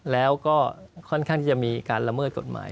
แล้วก็ค่อนข้างที่จะมีการละเมิดกฎหมาย